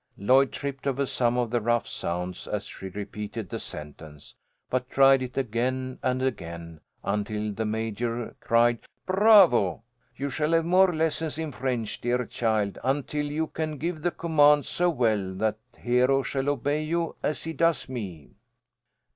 Lloyd tripped over some of the rough sounds as she repeated the sentence, but tried it again and again until the Major cried "Bravo! You shall have more lessons in French, dear child, until you can give the command so well that Hero shall obey you as he does me."